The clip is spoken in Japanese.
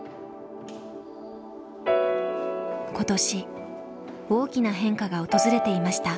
今年大きな変化が訪れていました。